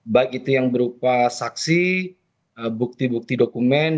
baik itu yang berupa saksi bukti bukti dokumen